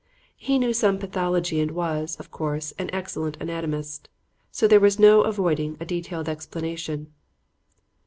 He knew some pathology and was, of course, an excellent anatomist, so there was no avoiding a detailed explanation.